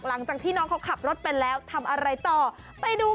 หลังจากที่น้องเขาขับรถไปแล้วทำอะไรต่อไปดู